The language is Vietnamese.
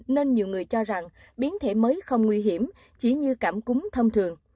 nên nhiều người cho rằng biến thể mới không nguy hiểm chỉ như cảm cúm thông thường